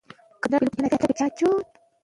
ایلي وویل: "زه ډېره وېرېدلې وم."